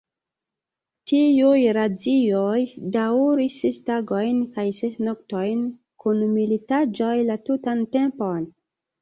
Tiuj razioj daŭris ses tagojn kaj ses noktojn, kun militaĵoj la tutan tempon.